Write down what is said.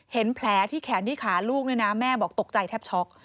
เห็นแผลที่แขนที่ขาลูกเนี่ยนะแม่บอกตกใจแทบช็อก